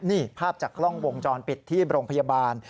นี่ภาพจากกล้องวงจรปิดที่โรงพยาบาล